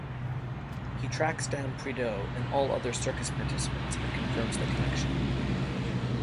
He tracks down Prideaux and all other Circus participants and confirms the connection.